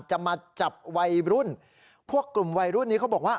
จะมาจับวัยรุ่นพวกกลุ่มวัยรุ่นนี้เขาบอกว่า